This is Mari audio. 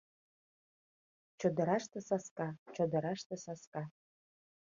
Чодыраште саска, чодыраште саска